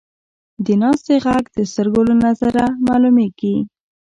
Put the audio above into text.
د ناستې ږغ د سترګو له نظره معلومېږي.